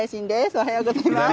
おはようございます。